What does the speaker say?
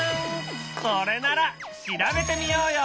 それなら調べてみようよ。